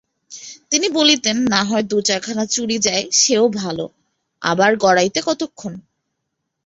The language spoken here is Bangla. তিনি বলিতেন, নাহয় দু-চারখানা চুরি যায় সেও ভালো, আবার গড়াইতে কতক্ষণ।